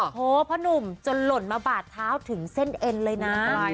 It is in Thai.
โพพ่อหนุ่มจนหล่นมาบาดเท้าถึงเส้นเอ็นเลยนะ